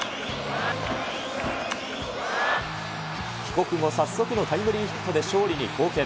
帰国後、早速のタイムリーヒットで勝利に貢献。